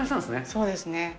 そうですね。